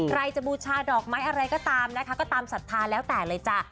ใครจะบูชาดอกไม้อะไรก็ตามนะคะก็ตามศรัทธาแล้วแต่เลยจ้ะ